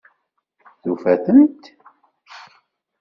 Tufa-tent?